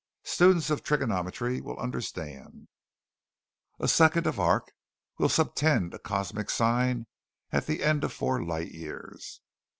Students of trigonometry will understand; a second of arc will subtend a cosmic sine at the end of four light years.